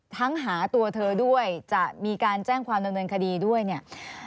หาตัวเธอด้วยจะมีการแจ้งความดำเนินคดีด้วยเนี่ย